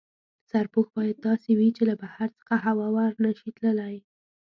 سرپوښ باید داسې وي چې له بهر څخه هوا ور نه شي ننوتلای.